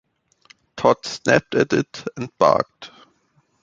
Tod snapped at it, and barked.